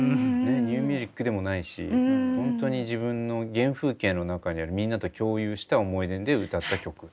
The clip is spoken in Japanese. ニューミュージックでもないしホントに自分の原風景の中にあるみんなと共有した思い出で歌った曲。